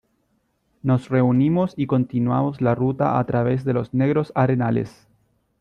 nos reunimos y continuamos la ruta a través de los negros arenales.